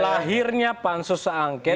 akhirnya pansus seangket